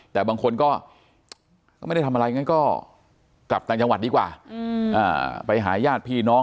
แต่บางคนก็ไม่ได้ทำอะไรงั้นก็กลับต่างจังหวัดดีกว่าไปหาญาติพี่น้อง